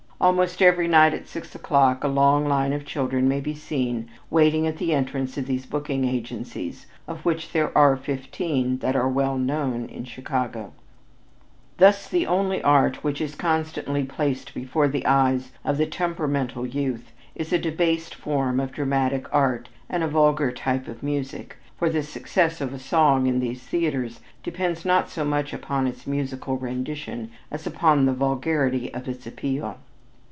Almost every night at six o'clock a long line of children may be seen waiting at the entrance of these booking agencies, of which there are fifteen that are well known in Chicago. Thus, the only art which is constantly placed before the eyes of "the temperamental youth" is a debased form of dramatic art, and a vulgar type of music, for the success of a song in these theaters depends not so much upon its musical rendition as upon the vulgarity of its appeal.